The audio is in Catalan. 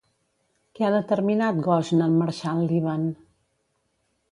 Què ha determinat Ghosn en marxar al Líban?